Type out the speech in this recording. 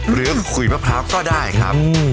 หรือขุยมะพร้าก็ได้ครับ